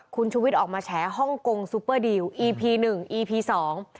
คุณชุวิตออกมาแฉฮ่องกงซูเปอร์ดีลอีพีหนึ่งอีพีสอง